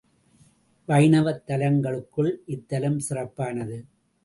வைணவத் தலங்களுக்குள் இத்தலம் சிறப்பானது.